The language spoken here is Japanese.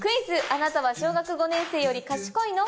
あなたは小学５年生より賢いの？』